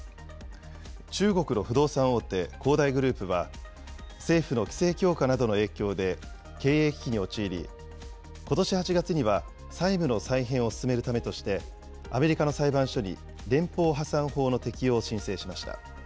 中国の不動産大手、恒大グループは、政府の規制強化などの影響で経営危機に陥り、ことし８月には債務の再編を進めるためとして、アメリカの裁判所に連邦破産法の適用を申請しました。